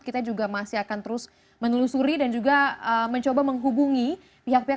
kita juga masih akan terus menelusuri dan juga mencoba menghubungi pihak pihak